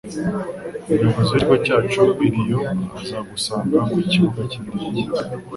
Umukozi wikigo cyacu i Rio azagusanga kukibuga cyindege.